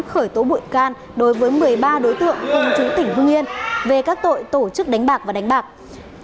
khởi tố bụi can đối với một mươi ba đối tượng cùng chú tỉnh hương yên về các tội tổ chức đánh bạc và đánh bạc